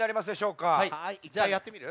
１かいやってみる？